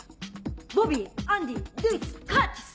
ボビーアンディルイスカーティス！